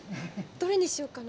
どれにしようかな。